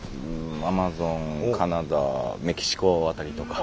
アマゾンカナダメキシコ辺りとか。